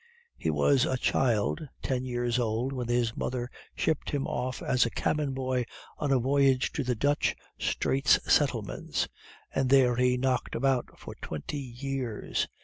"He was a child, ten years old, when his mother shipped him off as a cabin boy on a voyage to the Dutch Straits Settlements, and there he knocked about for twenty years.